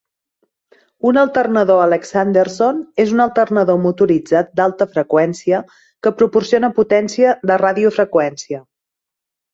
Un alternador Alexanderson és un alternador motoritzat d'alta freqüència que proporciona potència de radiofreqüència.